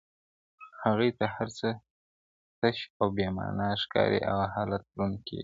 هغې ته هر څه تش او بې مانا ښکاري او حالت دروند کيږي,